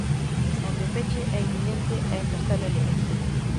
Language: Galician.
Onde o peche é inminente é en Castela e León.